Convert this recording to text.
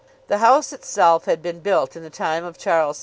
The house itself had been built in the time of Charles II.